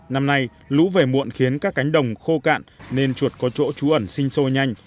năm nay lũ về muộn khiến các cánh đồng khô cạn nên chuột có chỗ trú ẩn sinh sôi nhanh